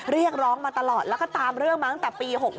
เรียกร้องมาตลอดแล้วก็ตามเรื่องมาตั้งแต่ปี๖๕